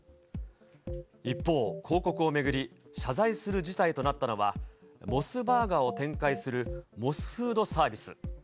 一方、広告を巡り、謝罪する事態となったのは、モスバーガーを展開するモスフードサービス。